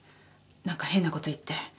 何か変なこと言って。